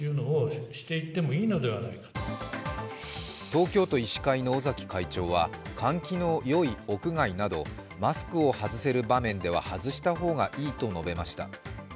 東京都医師会の尾崎会長は換気のよい屋外などマスクを外せる場面では外した方がいいなどと述べました。